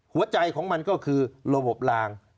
หัวใจของมันก็คือระบบลาง